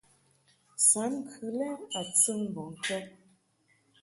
Sam ŋkɨ lɛ a tɨn mbɔŋkɛd.